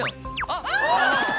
あっ！